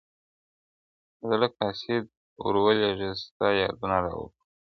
زړه قاصِد ور و لېږمه ستا یادونه را و بولم,